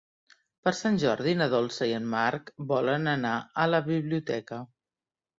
Per Sant Jordi na Dolça i en Marc volen anar a la biblioteca.